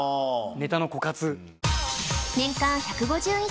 ネタの枯渇。